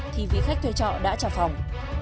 thì vị khách thuê trọ đã trả phòng